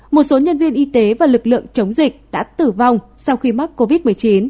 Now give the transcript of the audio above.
một số nhân viên y tế và lực lượng chống dịch đã tử vong sau khi mắc covid một mươi chín